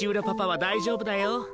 パパは大丈夫だよ。